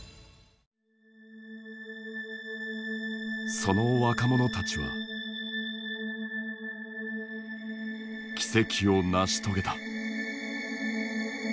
その若者たちは奇跡を成し遂げた。